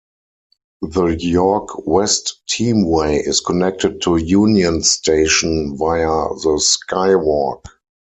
The York West Teamway is connected to Union Station via the Skywalk.